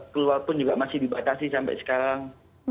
keluar pun juga masih dibatasi sampai sekarang